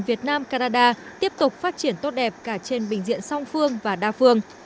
việt nam canada tiếp tục phát triển tốt đẹp cả trên bình diện song phương và đa phương